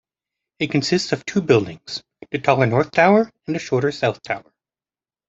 It consists of two buildings, the taller North Tower and the shorter South Tower.